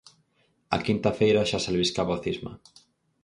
A quinta feira xa se albiscaba o cisma.